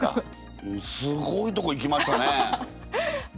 すごいとこいきましたね。